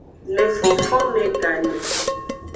Le fonfonme gane.